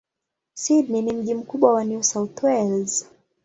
Sydney ni mji mkubwa wa New South Wales.